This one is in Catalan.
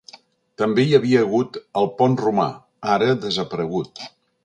També hi havia hagut el Pont Romà, ara desaparegut.